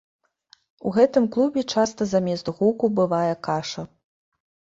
У гэтым клубе часта замест гуку бывае каша.